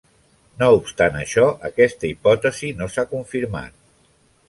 No obstant això, aquesta hipòtesi no s'ha confirmat.